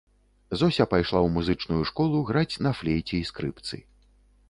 Зося пайшла ў музычную школу граць на флейце і скрыпцы.